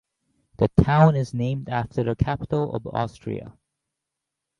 The town is named after the capital of Austria.